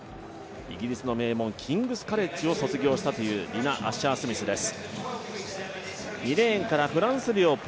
イギリスの名門、キングスカレッジを卒業したアッシャー・スミスです。